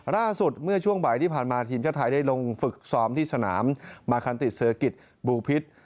ล่าสุดเมื่อช่วงบ่ายที่ผ่านมาทีมชาติไทยได้ลงฝึกซ้อมที่สนามมาคันติดเซอร์กิจบูพิษ